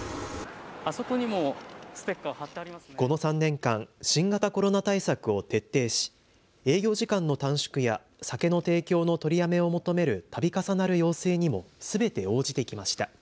この３年間、新型コロナ対策を徹底し営業時間の短縮や酒の提供の取りやめを求めるたび重なる要請にもすべて応じてきました。